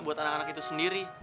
buat anak anak itu sendiri